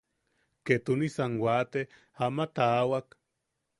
Ketunisan waate ama tawaak.